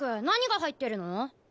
何が入ってるの？